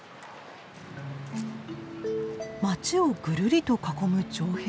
街をぐるりと囲む城壁。